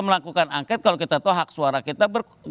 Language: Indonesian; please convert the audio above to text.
melakukan angket kalau kita tahu hak suara kita